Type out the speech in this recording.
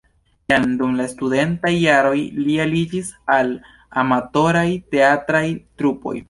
Jam dum la studentaj jaroj li aliĝis al amatoraj teatraj trupoj.